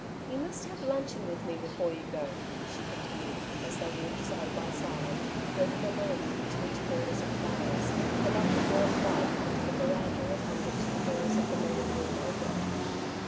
^^You must have luncheon with me before you go/' she continued, as they walked side by side over the lawn with its rich borders of flowers, and up the broad flight on to the verandah upon which the doors of the morning room opened.